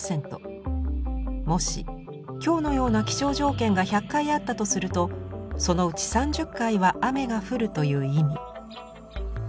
もし今日のような気象条件が１００回あったとするとそのうち３０回は雨が降るという意味。